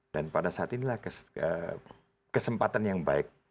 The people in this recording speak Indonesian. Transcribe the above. dan pada saat inilah kesempatan yang baik